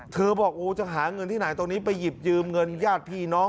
บอกจะหาเงินที่ไหนตรงนี้ไปหยิบยืมเงินญาติพี่น้อง